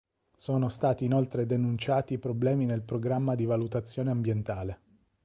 Sono stati inoltre denunciati problemi nel programma di valutazione ambientale.